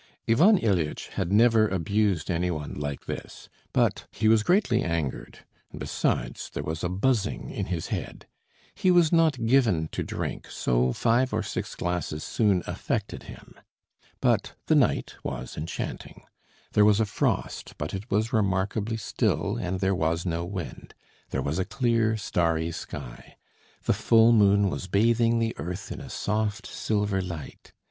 Ivan Ilyitch had never abused any one like this, but he was greatly angered, and besides, there was a buzzing in his head. He was not given to drink, so five or six glasses soon affected him. But the night was enchanting. There was a frost, but it was remarkably still and there was no wind. There was a clear, starry sky. The full moon was bathing the earth in soft silver light.